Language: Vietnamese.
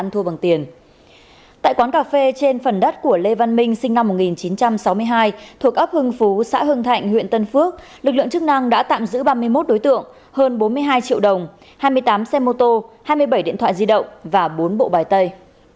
tại quán cà phê trên phần đất của lê văn minh sinh năm một nghìn chín trăm sáu mươi hai thuộc ấp hưng phú xã hưng thạnh huyện tân phước lực lượng chức năng đã tạm giữ ba mươi một đối tượng hơn bốn mươi hai triệu đồng hai mươi tám xe mô tô hai mươi bảy điện thoại di động và bốn bộ bài tay